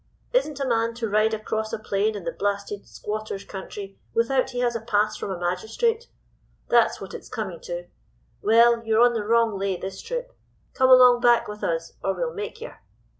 Isn't a man to ride across a plain in the blasted squatters' country without he has a pass from a magistrate? That's what it's coming to. Well, you're on the wrong lay this trip. Come along back with us, or we'll make yer.